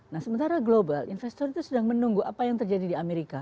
nah sementara global investor itu sedang menunggu apa yang terjadi di amerika